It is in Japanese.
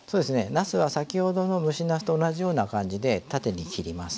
なすは先ほどの蒸しなすと同じような感じで縦に切ります。